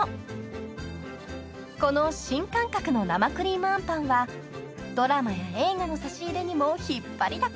［この新感覚の生クリームあんぱんはドラマや映画の差し入れにも引っ張りだこ］